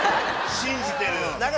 信じてる。